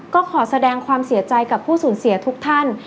ก็ขอแสดงความเสียใจกับผู้สูญเสียทุกท่าน